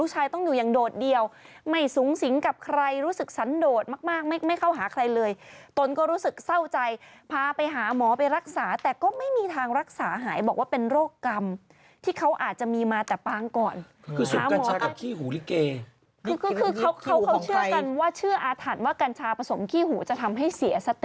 คือสุดกัญชากับขี้หูลิเกนท์ผู้ของใครเขาก็เชื่อกันว่ากัญชาผสมขี้หูจะทำให้เสียติด